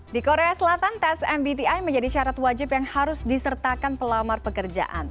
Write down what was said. di korea selatan tes mbti menjadi syarat wajib yang harus disertakan pelamar pekerjaan